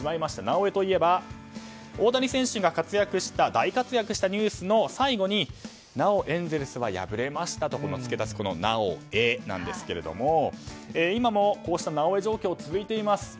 「なおエ」といえば大谷選手が大活躍したニュースの最後になおエンゼルスは敗れましたと付け足す「なおエ」なんですが今も、こうした「なおエ」状況が続いています。